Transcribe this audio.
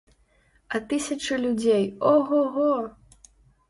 А тысячы людзей о-го-го!